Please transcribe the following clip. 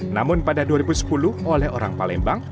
namun pada dua ribu sepuluh oleh orang palembang